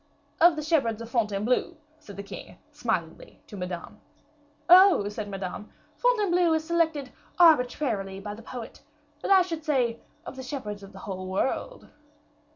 "Of the shepherds of Fontainebleau," said the king, smilingly, to Madame. "Oh!" exclaimed Madame, "Fontainebleau is selected arbitrarily by the poet; but I should say, of the shepherds of the whole world."